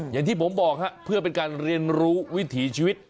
อย่างที่ผมบอกครับเพื่อเป็นการเรียนรู้วิถีชีวิต